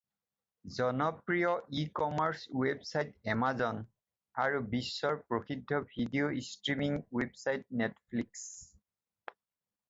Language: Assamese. জনপ্ৰিয় ই-কমাৰ্ছ ৱেবছাইট এমাজন আৰু বিশ্বৰ প্ৰসিদ্ধ ভিডিঅ' ষ্ট্ৰিমিং ৱেবছাইট নেটফ্লিক্স।